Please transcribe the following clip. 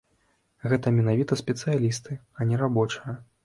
Гэта менавіта спецыялісты, а не рабочыя.